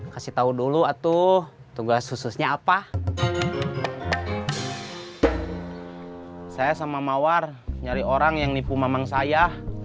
kasih tahu dulu aduh tugas khususnya apa saya sama mawar nyari orang yang nipu mamang saya